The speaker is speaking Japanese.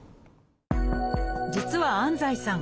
実は安西さん